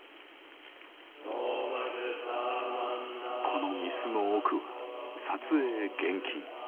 この御簾の奥は撮影厳禁。